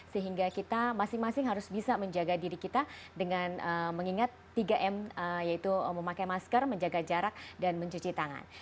sehingga kita masing masing harus bisa menjaga diri kita dengan mengingat tiga m yaitu memakai masker menjaga jarak dan mencuci tangan